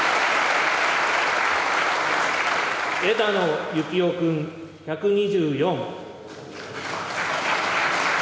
枝野幸男君１２４。